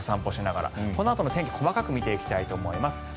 このあとの天気細かく見ていきたいと思います。